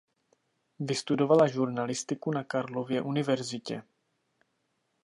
Vystudovala žurnalistiku na Karlově univerzitě.